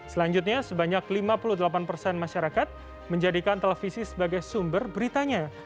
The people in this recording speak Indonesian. selanjutnya sebanyak lima puluh delapan persen masyarakat menjadikan televisi sebagai sumber beritanya